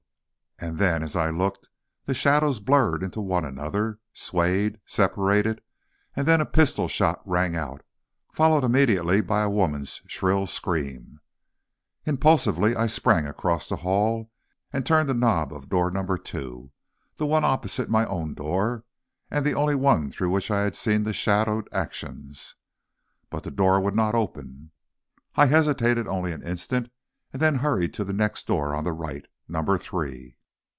And then, as I looked, the shadows blurred into one another, swayed, separated, and then a pistol shot rang out, followed immediately by a woman's shrill scream. Impulsively I sprang across the hall, and turned the knob of door number two, the one opposite my own door, and the one through which I had seen the shadowed actions. But the door would not open. I hesitated only an instant and then hurried to the door next on the right, number three.